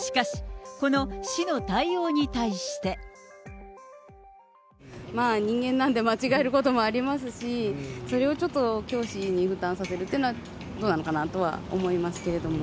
しかし、まあ、人間なんで間違えることもありますし、それをちょっと教師に負担させるっていうのはどうなのかなとは思いますけども。